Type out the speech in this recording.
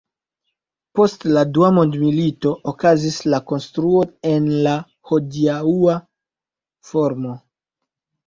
Post la Dua Mondmilito okazis la konstruo en la hodiaŭa formo.